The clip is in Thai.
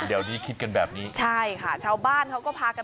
เดี๋ยวนี้คิดกันแบบนี้ใช่ค่ะชาวบ้านเขาก็พากัน